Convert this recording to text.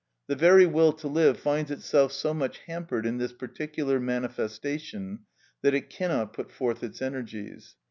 The very will to live finds itself so much hampered in this particular manifestation that it cannot put forth its energies.